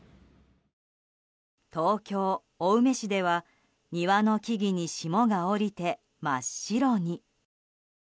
東京・青梅市では庭の木々に霜が降りて真っ白に。